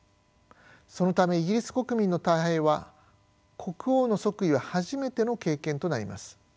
そのためイギリス国民の大半は国王の即位は初めての経験となります。